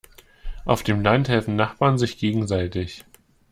Auf dem Land helfen Nachbarn sich gegenseitig.